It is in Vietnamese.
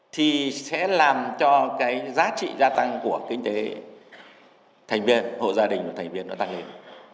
thì sẽ làm cho cái giá trị gia tăng của kinh tế thành viên hộ gia đình của thành viên nó tăng lên